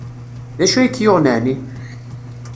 D acu ay k-yuɣen ɛni?